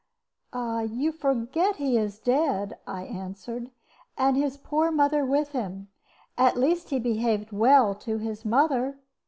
"You forget that he is dead," I answered, "and his poor mother with him. At least he behaved well to his mother.